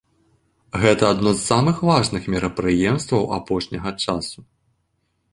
Гэта адно з самых важных мерапрыемстваў апошняга часу.